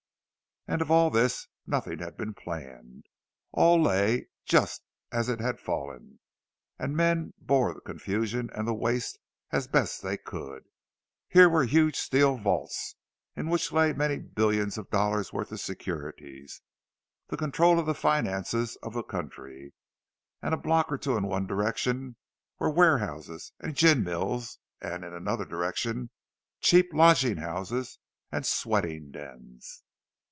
And of all this, nothing had been planned! All lay just as it had fallen, and men bore the confusion and the waste as best they could. Here were huge steel vaults, in which lay many billions of dollars' worth of securities, the control of the finances of the country; and a block or two in one direction were warehouses and gin mills, and in another direction cheap lodging houses and sweating dens.